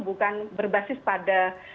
bukan berbasis pada